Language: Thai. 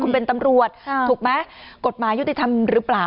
คุณเป็นตำรวจถูกไหมกฎหมายยุติธรรมหรือเปล่า